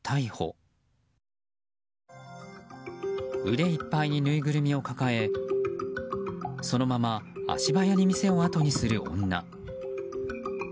腕いっぱいにぬいぐるみを抱えそのまま足早に店をあとにする女。